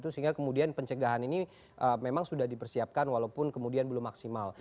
sehingga kemudian pencegahan ini memang sudah dipersiapkan walaupun kemudian belum maksimal